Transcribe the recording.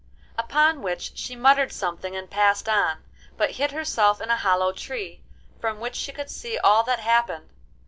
Upon which she muttered something and passed on, but hid herself in a hollow tree, from which she could see all that happened.